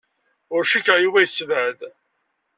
Ur cikkeɣ Yuba yessebɛed.